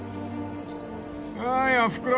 ［おーいおふくろ